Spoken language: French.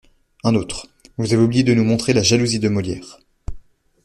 Un autre :« Vous avez oublié de nous montrer la jalousie de Molière.